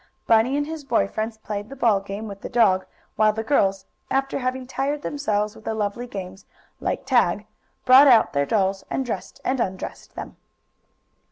Bunny and his boy friends played the ball game with the dog, while the girls, after having tired themselves with the lively games, like tag, brought out their dolls and dressed and undressed them.